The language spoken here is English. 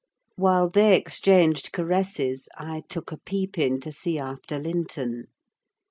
While they exchanged caresses I took a peep in to see after Linton.